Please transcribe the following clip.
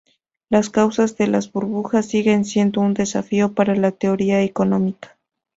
Las causas de las burbujas siguen siendo un desafío para la teoría económica.